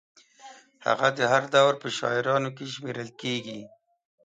هغه د هر دور په شاعرانو کې شمېرل کېږي.